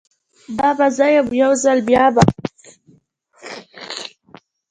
دا به زه یم، یو ځل بیا به